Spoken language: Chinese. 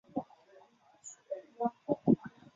沟牙田鼠属等之数种哺乳动物。